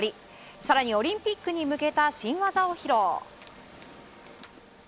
更にオリンピックに向けた新技を披露。